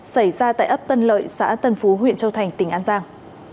xảy ra tại ấp tân lợi xã tân phú huyện châu thành tỉnh an giang